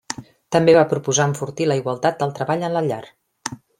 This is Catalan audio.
També va proposar enfortir la igualtat del treball en la llar.